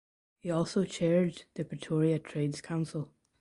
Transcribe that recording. He also chaired the Pretoria Trades Council.